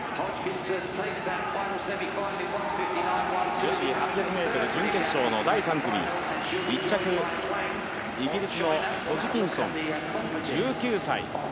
女子８００ｍ準決勝の第３組、１着、イギリスのホジキンソン、１９歳。